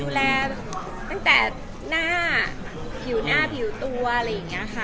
ดูแลตั้งแต่หน้าผิวหน้าผิวตัวอะไรอย่างนี้ค่ะ